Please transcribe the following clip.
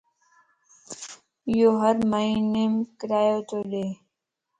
يوھر مھينيم ڪرايو تو ڏي